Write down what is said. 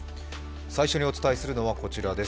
最初にお伝えするのはこちらです。